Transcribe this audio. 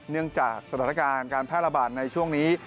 เนื่องจากสถานการณ์การแพร่ระบาดในช่วงนี้